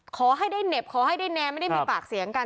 ขอให้ได้เหน็บขอให้ได้แนนไม่ได้มีปากเสียงกัน